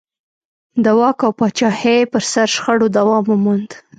د واک او پاچاهۍ پر سر شخړو دوام وموند.